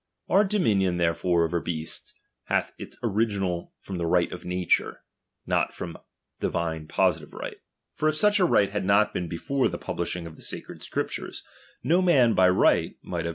Our dominion therefore over beasts, hath its original from the right of na ture, not from divine positiie right. For if such a right had not been before the publishing of the Sacred Scriptures, no man by right might have VOL.